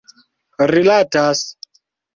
rilatas